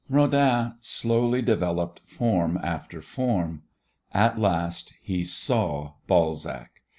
Rodin slowly developed form after form. At last he saw Balzac.